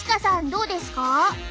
どうですか？